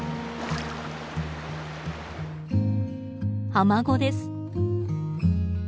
アマゴです。